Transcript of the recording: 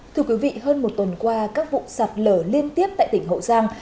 thưa quý vị hơn một tuần qua các vụ sạt lở liên tiếp tại tỉnh hậu giang